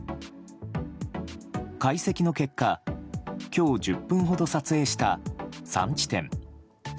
解析の結果今日１０分ほど撮影した３地点１２７２